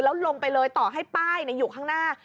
แล้วลงไปเลยต่อให้ป้ายอยู่ข้างหน้า